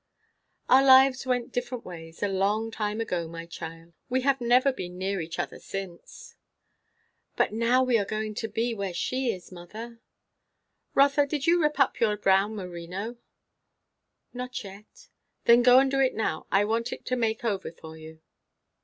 "Our lives went different ways, a long time ago, my child. We have never been near each other since." "But now you are going to be where she is, mother?" "Rotha, did you rip up your brown merino?" "Not yet." "Then go and do it now. I want it to make over for you."